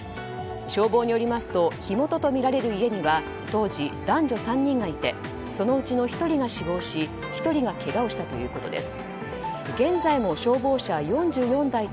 消防によりますと火元とみられる家には当時、男女３人がいてそのうちの１人が死亡し１人がけがをしたということです。